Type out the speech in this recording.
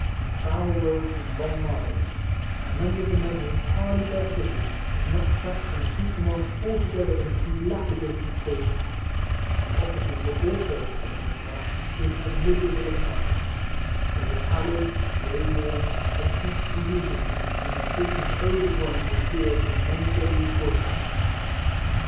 from foul roads and long miles, and many of the men were entirely barefooted, with knap sacks and accoutrements altogether in a dilapidated state. The officers were also. 188 KECOLLECTIONS OF for the most part, in as miserable a plight. They were pallid, way worn, their feet bleed ing, and their faces overgrown with beards of many days' growth.